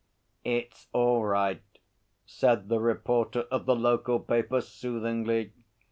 'It's all right,' said the reporter of the local paper soothingly.